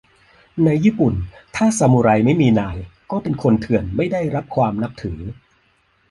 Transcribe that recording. ในญี่ปุ่น ถ้าซามูไรไม่มีนาย ก็เป็นคนเถื่อน ไม่ได้รับความนับถือ